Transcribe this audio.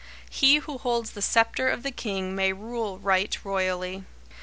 He who holds the sceptre of the king may rule right royally.